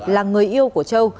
là người yêu của châu